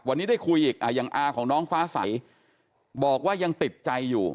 วันนี้ได้คุยอีกอย่างอาของน้องฟ้าใสบอกว่ายังติดใจอยู่